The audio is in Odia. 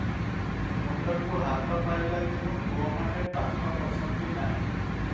ମୁଣ୍ତକୁ ହାତ ପାଇଲା ଦିନୁ ପୁଅମାନେ ପାଖ ପଶନ୍ତି ନାହିଁ ।